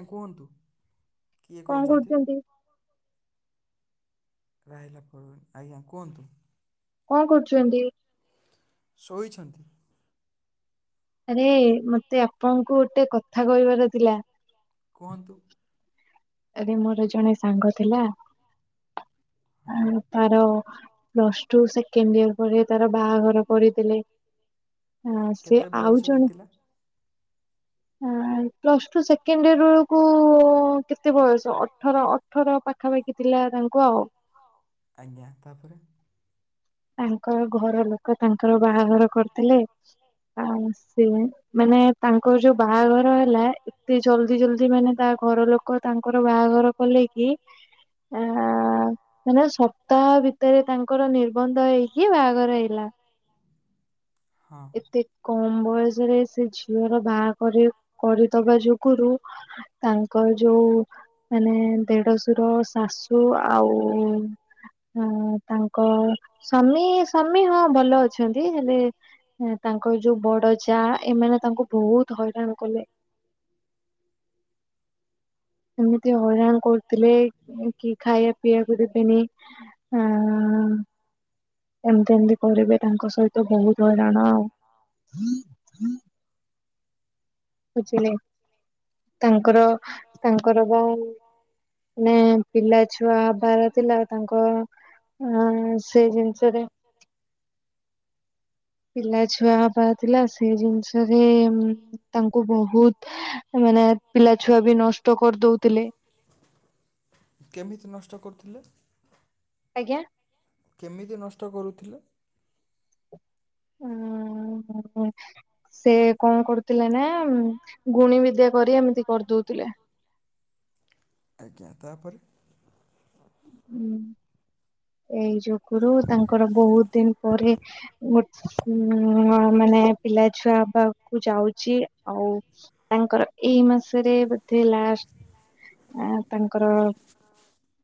ଆଜ୍ଞା କୁହନ୍ତୁ। କିଏ କଣ କହୁଛନ୍ତି କରୁଛନ୍ତି? ରହିଲା ପୁର ଆଜ୍ଞା କୁହନ୍ତୁ। କଣ କରୁଛନ୍ତି? ଶୋଇଛନ୍ତି। ଆରେ ମତେ ଆପଣଙ୍କୁ ଗୋଟେ କଥା କହିବାର ଥିଲା। କୁହନ୍ତୁ। ଆରେ ମୋର ଜଣେ ସାଙ୍ଗ ଥିଲା ଆଜ୍ଞା ହଁ। ତାର ପ୍ଲସ ଟୁ ସେକେଣ୍ଡ ଇଅର ପରେ ତାର ବାହାଘର କରେଇଦେଲେ। ହଁ ସେ କେତେ ଆଉ ବୟସ ଜଣେ ହେଇଥିଲା ହଁ ପ୍ଲସଟୁ ସେକେଣ୍ଡୟିର ବେଳକୁ କେତେ ବୟସ। ଅଠର ଅଠର ପାଖାପାଖି ଥିଲା ତାଙ୍କୁ ଆଉ। ଆଜ୍ଞା ତାପରେ ତାଙ୍କର ଘର ଲୋକ ତାଙ୍କର ବାହାଘର କରିଦେଲେ। ହଁ ସେମାନେ ତାଙ୍କର ଯୋଉ ବାହାଘର ହେଲା ଏତେ ଜଲଦି ଜଲଦି ମାନେ ତା ଘର ଲୋକ ତାଙ୍କର ବାହାଘର କଲେକି ଆ ମାନେ ସପ୍ତାହ ଭିତରେ ତାଙ୍କର ନିର୍ ନିର୍ବନ୍ଧ ହେଇକି ବାହାଘର ହେଲା। ହଁ ଏତେ କମ ବୟସରେ ସେ ଝିଅର ବାହାକରି କରିଦବା ଯୋଗୁରୁ ତାଙ୍କର ଯୋଉ ମାନେ ଦେଢଶୁର ଶାଶୁ ଆଉ ହଁ ତାଙ୍କ ସ୍ୱାମୀ ସ୍ୱାମୀ ହଁ ଭଲ ଅଛନ୍ତି ହେଲେ ତାଙ୍କର ଯୋଉ ବଡ ଯା ଏମାନେ ତାଙ୍କୁ ବହୁତ ହଇରାଣ କଲେ। ଏମିତି ହଇରାଣ କରୁଥିଲେ କି ଖାଇବା ପିଇବାକୁ ଦେବେନି। ଆଁ ଏମିତି ଏମିତି କରିବେ ତାଙ୍କ ସହିତ ବହୁତ ହଇରାଣ ଆଉ ବୁଝିଲେ ତାଙ୍କର ତାଙ୍କର ବା ଏଇ ମାନେ ପିଲାଛୁଆ ହବାର ଥିଲା ତାଙ୍କ ହଁ ସେଇ ଜିନିଷରେ ପିଲା ଛୁଆ ହେବାର ଥିଲା ସେଇ ଜିନିଷରେ ତାଙ୍କୁ ବହୁତୁ ମାନେ ପିଲା ଛୁଆ ବି ନଷ୍ଟ କରି ଦଉଥିଲେ। କେମିତି ନଷ୍ଟ କରୁଥିଲେ? ଆଜ୍ଞା। କେମିତି ନଷ୍ଟ କରୁଥିଲେ? ହଁ ସେ କଣ କରୁଥିଲେ ନା ଗୁଣି ବିଦ୍ୟା। କରି ଏମିତି କରିଦଉଥିଲେ। ଆଜ୍ଞା ତାପରେ। ହୁଁ ଏଇ ଯୋଗୁରୁ ତାଙ୍କର ବହୁତ ଦିନ ପରେ ଉଁ ମାନେ ପିଲା ଛୁଆ ହେବାକୁ ଯାଉଛି ଆଉ ତାଙ୍କର ଏଇ ମାସରେ ବୋଧେ ଲାଷ୍ଟ ତାଙ୍କର ହଁ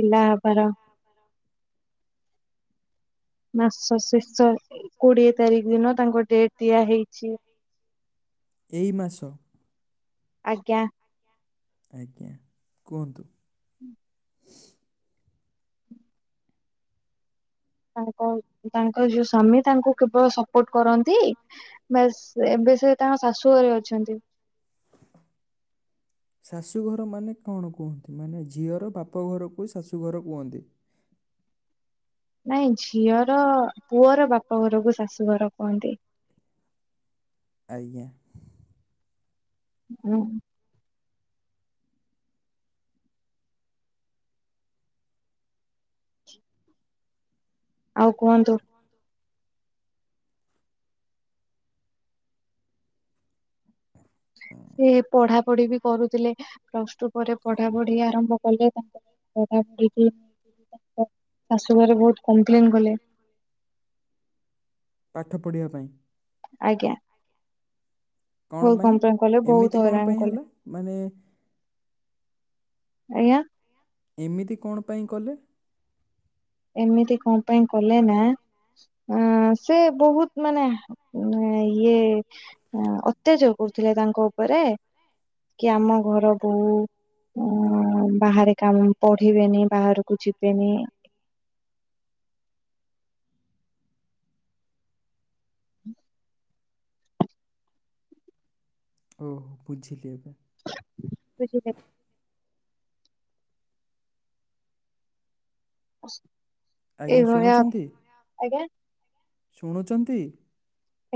ପିଲା ହବାର। ମାସ ଶେଷ କୋଡିଏ ତାରିଖ ଦିନ ତାଙ୍କ ଡେଟ ଦିଆ ହେଇଛି। ଏଇ ମାସ। ଆଜ୍ଞା। ଆଜ୍ଞା କୁହନ୍ତୁ। [unintelligible] ତାଙ୍କ ତାଙ୍କ ଯୋଉ ସ୍ୱାମୀ। ତାଙ୍କୁ କେବଳ ସପୋର୍ଟ କରନ୍ତି ବାସ୍ ଏବେ ସେ ତାଙ୍କ ଶାଶୁ ଘରେ ଅଛନ୍ତି। [inaudible] ଶାଶୁଘର ମାନେ କଣ କୁହନ୍ତି ମାନେ ଝିଅର ବାପଘରକୁ ଶାଶୁଘର କୁହନ୍ତି? ନାଇଁ ଝିଅର ପୁଅର ବାପଘରକୁ ଶାଶୁଘର କୁହନ୍ତି। ଆଜ୍ଞା। ହୁଁ। ଆଉ କୁହନ୍ତୁ? [inaudible] ସେ ପଢାପଢି ବି କରୁଥିଲେ ପ୍ଲସ ଟୁ ପରେ ପଢାପଢି ଆରମ୍ଭ କଲେ ତାଙ୍କର ତା ଶାଶୁ ଘରେ ବହୁତୁ କମ୍ପ୍ଲେଲନ୍ କଲେ ପାଠ ପଢ଼ିବା ପାଇଁ? ଆଜ୍ଞା। କଣ ବହୁତୁ ପାଇଁ କମ୍ପ୍ଲେଲନ କଲେ ଏମିତି ବହୁତୁ କଣ ହଇରାଣ ପାଇଁ କଲେ ହେଲା ମାନେ ଆଜ୍ଞା। ଏମିତି କଣ ପାଇଁ କଲେ? ଏମିତି କଣ ପାଇଁ କଲେ ନା ଅ ସେ ବହୁତୁ ମାନେ ଇଏ ଅତ୍ୟାଚାର କ ଥିଲେ ତାଙ୍କ ଉପରେ କି ଆମ ଘର ବୋହୁ ବାହାରେ କାମ ପଢିବେନି ବାହାରକୁ ଯିବେନି ଓହୋ ବୁଝିଲି ଏବେ। ବୁଝିଲେ? ଅ ଆଜ୍ଞା ଶୁଣୁଛନ୍ତି ଆଜ୍ଞା ଶୁଣୁଛନ୍ତି?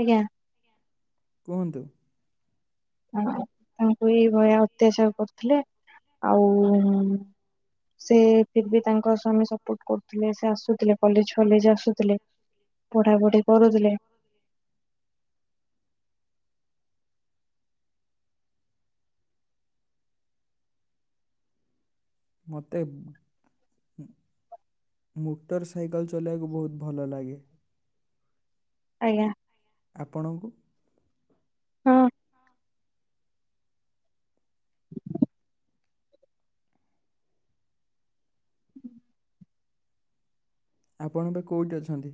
ଆଜ୍ଞା। କୁହନ୍ତୁ? ତାଙ୍କୁ ଏଇ ଭଳିୟା ଅତ୍ୟାଚାର କରୁଥିଲେ ଆଉ ସେ ଫିର୍ ବି ତାଙ୍କ ସ୍ଵାମୀ ସ କରୁଥିଲେ ସେ ଆସୁଥିଲେ କଲେଜ ଫଲେଜ ଆସୁଥିଲେ ପଢା ପଢି କରୁଥିଲେ ମତେ ମୋଟର ସାଇକେଲ ଚଲେଇବାକୁ ବହୁତ ଭଲ ଲାଗେ। ଆଜ୍ଞା। ଆପଣଙ୍କୁ? ହଁ। ଆପଣ ଏବେ କୋଉଠି ଅଛନ୍ତି?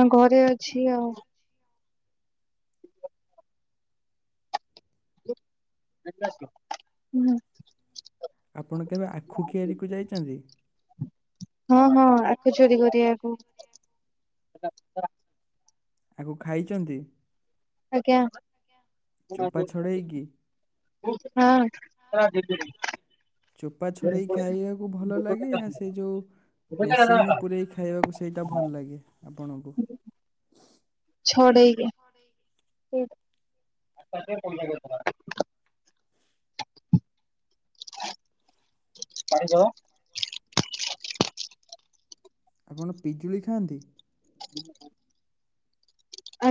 ଆ ଘରେ ଅଛି ଆଉ ହୁଁ। ଆପଣ କେବେ ଆଖୁକିଆରିୀକୁ ଯାଇଛନ୍ତି? ହଁ ହଁ ଆଖ ଚୋରି କରିବାକୁ। [unintelligible] ଆକୁ ଖାଇଛନ୍ତି ଆଜ୍ଞା ଚୋପା ଛଡେଇକି? ହଁ। ଚୋପା ଛଡ଼େଇ ଖାଇବାକୁ ଭଲ ଲାଗେ ନା ସେ ଯୋଉ? ମେସିନରେ ପୁରେଇ ଖାଇବାକୁ ସେଇଟା ଭଲ ଲାଗେ ଆପଣଙ୍କୁ? ଛଡ଼େଇଲେ କଣ ଦେବ? ଆପଣ ପିଜୁଳି ଖାଆନ୍ତି?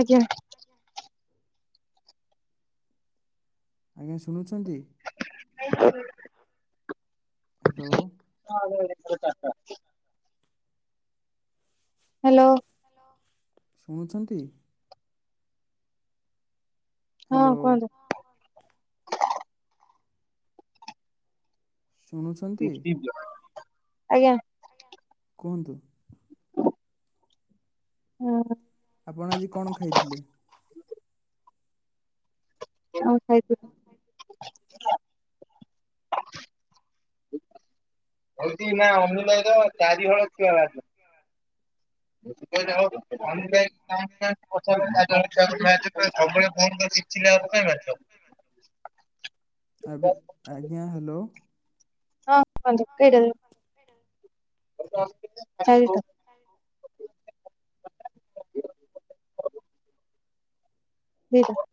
ଆଜ୍ଞା। ଆଜ୍ଞା ଶୁଣୁଛନ୍ତି? ଆଜ୍ଞା ହଁ। ହାଲୋ। ମୁଁ ଆଇଲା ବେଳକୁ ଚାରଟା। ହାଲୋ। ଶୁଣୁଛନ୍ତି? ହଁ ହ୍ୟାଲୋ କୁହନ୍ତୁ। ଶୁଣୁଛନ୍ତି? ଆଜ୍ଞା। କୁହନ୍ତୁ। ହଁ। ଆପଣ ଆଜି କଣ ଖାଇଥିଲେ? [unintelligible] ଆଉ ଖାଇଥିଲି। ହଲତି ନା ହ [unintelligible] ର ଚାରିହଳ କିଣାହେଇ ଆସଥିଲା। [unintelligible] [unintelligible] [inaudible] ଆବେ ଆଜ୍ଞା ହାଲୋ। ହଁ କୁହନ୍ତୁ କେଡେ ବେଗୁ। ହାଲକା। ହାଲୋ। [unintelligible]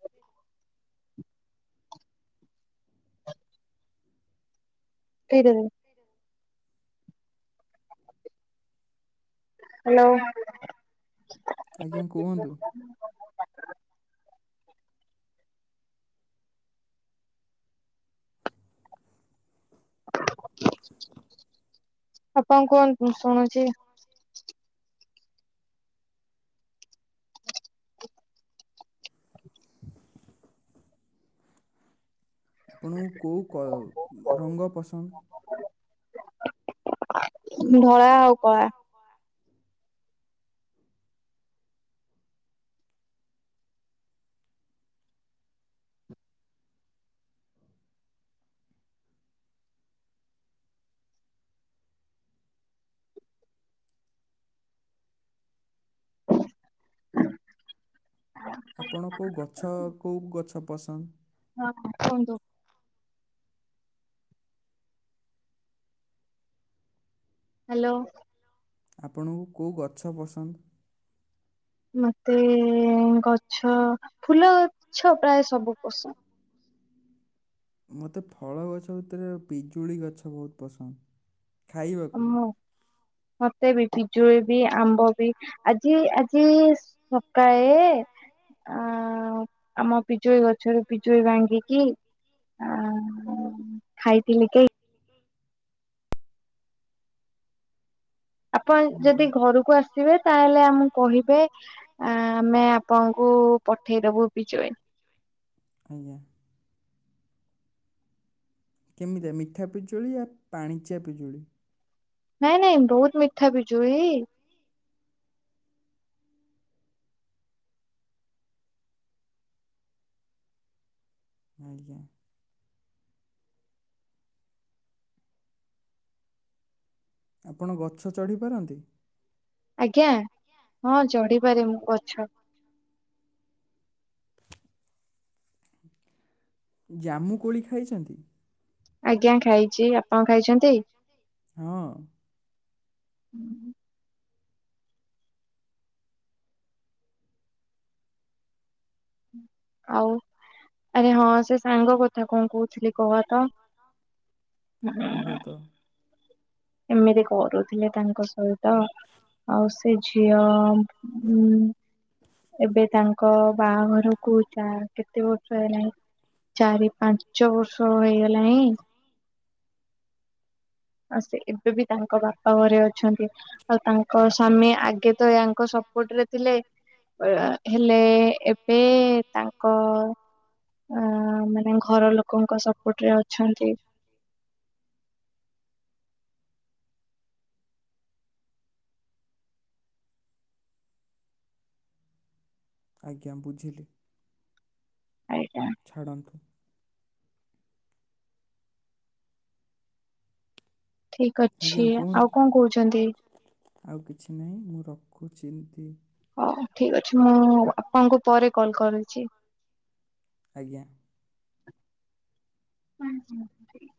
ପଠେଇଦବୁ। ହାଲୋ। ଆଜ୍ଞା କୁହନ୍ତୁ। [inaudible] [unintelligible] [inaudible] ଆପଣ କୁହନ୍ତୁ ମୁଁ ଶୁଣୁଚି। [inaudible] ଆପଣଙ୍କୁ କୋଉ କ ରଙ୍ଗ ପସନ୍ଦ୍? ଧଳା ଆଉ କଳା। [unintelligible] ଆପଣ କୋଉ ଗଛ କୋଉ ଗଛ ପସନ୍ଦ? ହଁ କୁହନ୍ତୁ। ହାଲୋ। ଆପଣଙ୍କୁ କୋଉ ଗଛ ପସନ୍ଦ? ମତେ ଗଛ ଫୁଲ ଗଛ ପ୍ରାୟେ ସବୁ ପସନ୍ଦ। ମତେ ଫଳ ଗଛ ଭିତରେ ପିଜୁଳି ଗଛ ବହୁତ୍ ପସନ୍ଦ୍। ମ ମତେ ବି ପିଜୁଳି ବି ଆମ୍ବ ବି ଆଜି ଆଜି। ସକାଳେ। ଆ ଆମ ପିଜୁଳି ଗଛରୁ ପିଜୁଳି ଭାଙ୍ଗିକି ଆ ଖାଇଥିଲି କି [inaudible] ଆପଣ ହୁଁ ଯଦି ହୁଁ। ଘରକୁ ଆସିବେ ତାହେଲେ ଆମକୁ କହିବେ ଆଁ ଆମେ ଆପଣଙ୍କୁ ପଠେଇଦବୁ ପିଜୋଇ। ଆଜ୍ଞା। କେମିତିଆ ମିଠା ପିଜୁଳି ଆ ପାଣିଚିଆ ପିଜୁଳି। ନାଇଁ ନାଇଁ ବହୁତ ମିଠା ପିଜୁଳି। ଆଜ୍ଞା। ଆପଣ ଗଛ ଚଢ଼ିପାରନ୍ତି? ଆଜ୍ଞା ହଁ ଚଢିପାରେ ମୁଁ ଗଛ। [inaudible] ଜାମୁ କୋଳି ଖାଇଛନ୍ତି? ଆଜ୍ଞା ଖାଇଚି ଆପଣ ଖାଇଚନ୍ତି? ହଁ। ହୁଁ। ଆଉ ଆରେ ହଁ ସେ ସାଙ୍ଗ କଥା କଣ କହୁଥିଲି କହ ତ। କୁହ ହୁଁ। ତ। ଏମିତି କରୁଥିଲେ ତାଙ୍କ ସହିତ ଆଉ ସେ ଝିଅ ହୁଁ ଏବେ ତାଙ୍କ ବାହାଘର କୁ ଯାଆନ୍ତି ତ ତରେ ଚାରି ପାଞ୍ଚ ବର୍ଷ ହେଇଗଲାଇଁ। ଆ ସେ ଏବେ ବି ତାଙ୍କ ବା ତ ଘରେ ଅଛନ୍ତି ଆଉ ତାଙ୍କ ସ୍ୱାମୀ ଆଗେ ତ ୟାଙ୍କ ସପୋର୍ଟ ରେ ଥିଲେ। ବେ ଆ ହେଲେ ଏବେ ତାଙ୍କ ଅ ମାନେ ଘର ଲୋକଙ୍କ ସପୋର୍ଟ ରେ ଅଛନ୍ତି। ଆଜ୍ଞା ବୁଝିଲି। ଆଜ୍ଞା। ଛାଡ଼ନ୍ତୁ। ଠିକ ଅଛି ଆଜ୍ଞା, ଆଉ କୁହନ୍ତୁ। କଣ କହୁଛନ୍ତି। ଆଉ କିଛି ନାହିଁ ମୁଁ ରଖୁଛି ଏମତି ହଉ ଠିକ ଅଛି ମୁଁ ଆପଣଙ୍କୁ ପରେ କଲ କରୁଚି। ଆଜ୍ଞା। [inaudible]